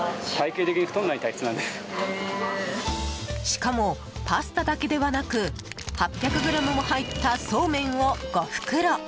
しかも、パスタだけではなく８００ｇも入ったそうめんを５袋。